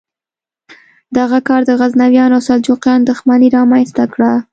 دغه کار د غزنویانو او سلجوقیانو دښمني رامنځته کړه.